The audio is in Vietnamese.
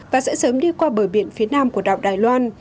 và sẽ sớm đi qua bờ biển phía nam của đảo đài loan